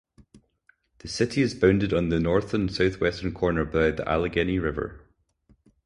The city is bounded on the north and southwestern corner by the Allegheny River.